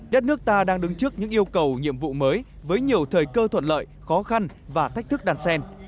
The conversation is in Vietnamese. đất nước ta đang đứng trước những yêu cầu nhiệm vụ mới với nhiều thời cơ thuận lợi khó khăn và thách thức đàn sen